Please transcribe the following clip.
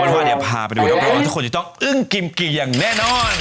อยากรู้เดี๋ยวพาไปดูแล้วก็รู้ว่าทุกคนจะต้องอึ้งกิ่มกี่อย่างแน่นอน